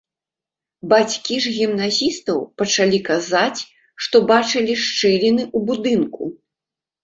Бацькі ж гімназістаў пачалі казаць, што бачылі шчыліны ў будынку.